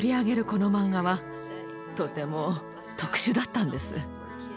このマンガはとても特殊だったんです。